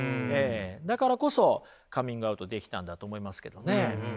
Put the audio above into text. だからこそカミングアウトできたんだと思いますけどね。